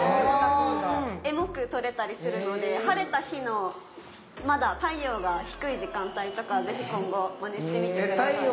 エモく撮れたりするので晴れた日のまだ太陽が低い時間帯とかぜひ今後マネしてみてください。